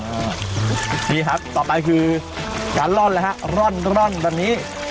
อ่านี่ครับต่อไปคือการร่อนนะฮะร่อนแบบนี้